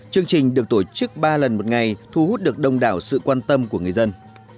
chương trình được tổ chức ba lần một ngày thu hút được đông đảo sự quan tâm của người dân